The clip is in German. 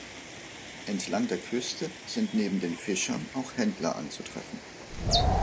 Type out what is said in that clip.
Entlang der Küste sind neben den Fischern auch Händler anzutreffen.